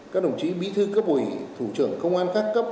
các đồng chí bí thư cấp ủy thủ trưởng công an các cấp